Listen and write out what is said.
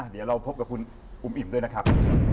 เดี๋ยวเราพบกับคุณอุ๋มอิ่มด้วยนะครับ